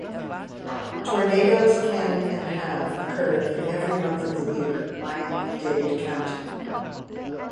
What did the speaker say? Tornadoes can and have occurred in every month of the year in Miami-Dade County.